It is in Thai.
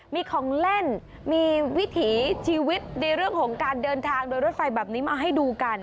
มีของเล่นมีวิถีชีวิตในเรื่องของการเดินทางโดยรถไฟแบบนี้มาให้ดูกัน